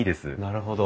なるほど。